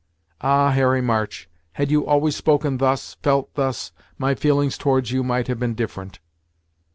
"Ah, Harry March, had you always spoken thus, felt thus, my feelings towards you might have been different!"